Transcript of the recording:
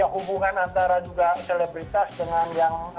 hubungan antara juga selebritas dengan yang